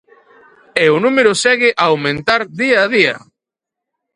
E o número segue a aumentar día a día.